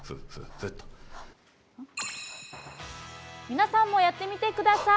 皆さんもやってみてください。